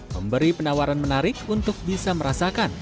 memberi penawaran menarik untuk bisa merasakan